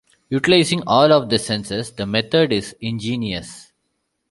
Utilizing all of the senses, the method is ingenious.